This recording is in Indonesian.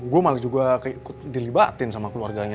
saya malah juga ikut dilibatkan dengan keluarganya